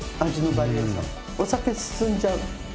お酒進んじゃう。